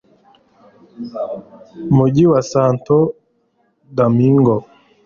mugi wa santo domingo